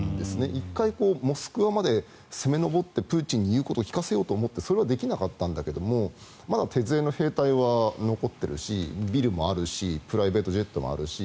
１回、モスクワまで攻め上ってプーチンに言うことを聞かせようと思ってそれはできなかったんだけどまだ手勢の兵隊は残ってるしビルもあるしプライベートジェットもあるし